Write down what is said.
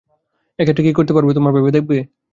এ ক্ষেত্রে কী করতে পারবে তারা, ভেবে দেখবে।